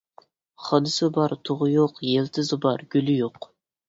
خادىسى بار تۇغى يوق، يىلتىزى بار گۈلى يوق.